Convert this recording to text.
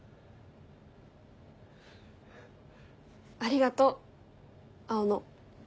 ありがとう青野。